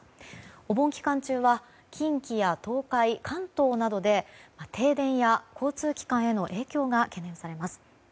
お盆期間中は近畿や東海、関東などで停電や交通機関への影響が懸念されます。